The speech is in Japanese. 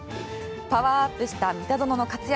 パワーアップした三田園の活躍